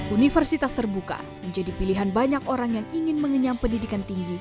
universitas terbuka menjadi pilihan banyak orang yang ingin mengenyam pendidikan tinggi